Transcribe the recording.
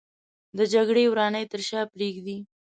د جګړې ورانۍ تر شا پرېږدي